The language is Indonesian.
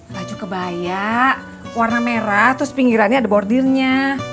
laju kebaya warna merah terus pinggirannya ada bordirnya